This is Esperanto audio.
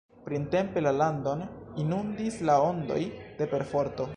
Printempe la landon inundis la ondoj de perforto.